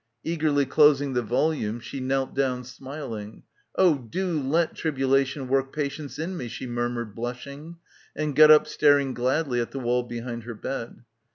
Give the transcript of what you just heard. Eagerly closing the volume she knelt down smiling. "Oh do let tribulation work patience in me," she mur mured, blushing, and got up staring gladly at the wall behind her bed.